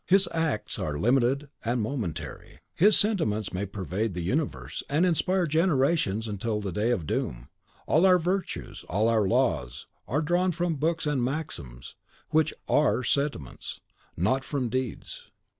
His acts are limited and momentary; his sentiments may pervade the universe, and inspire generations till the day of doom. All our virtues, all our laws, are drawn from books and maxims, which ARE sentiments, not from deeds.